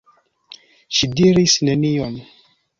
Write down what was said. Ŝi diris nenion.